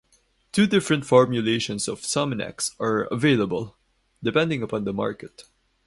Two different formulations of Sominex are available, depending upon the market.